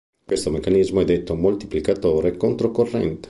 Questo meccanismo è detto moltiplicatore controcorrente.